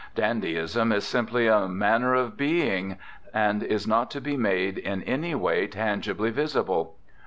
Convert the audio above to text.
"Dandyism is simply a manner of being, and is not to be made in any way tangibly visible."